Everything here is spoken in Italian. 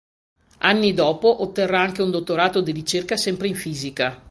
Anni dopo otterrà anche un dottorato di ricerca sempre in fisica.